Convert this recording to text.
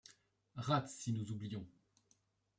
Rate, si nous oublions